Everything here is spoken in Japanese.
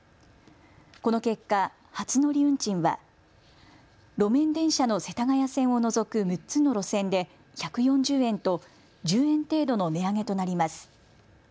この結果、初乗り運賃は路面電車の世田谷線を除く６つの路線で１４０円と１０円程度の値上げとなります。